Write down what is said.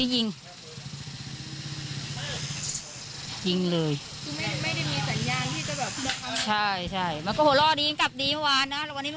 ยิงเลย